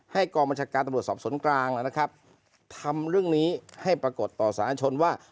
กองบัญชาการตำรวจสอบสวนกลางนะครับทำเรื่องนี้ให้ปรากฏต่อสารชนว่า